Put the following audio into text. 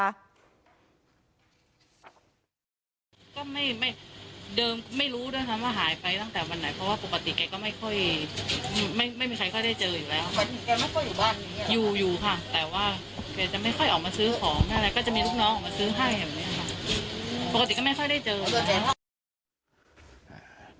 จะซื้อให้แบบนี้ค่ะปกติก็ไม่ค่อยได้เจอ